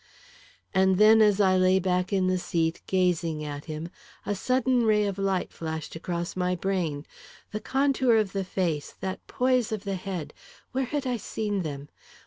And then, as I lay back in the seat, gazing at him, a sudden ray of light flashed across my brain. That contour of the face that poise of the head where had I seen them?